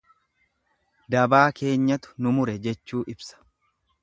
Dabaa keenyatu nu mure jechuu ibsa.